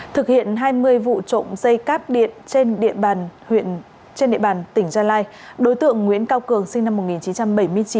thực hiện hai mươi vụ trộm dây cáp điện trên địa bàn tỉnh gia lai đối tượng nguyễn cao cường sinh năm một nghìn chín trăm bảy mươi chín